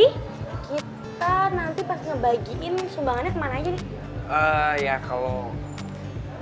nih kita nanti pas ngebagiin sumbangannya kemana aja nih